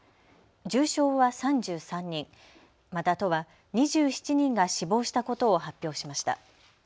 重症は３３人また都は２７人が死亡したことを発表しました。